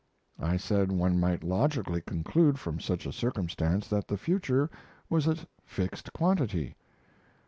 I said one might logically conclude from such a circumstance that the future was a fixed quantity.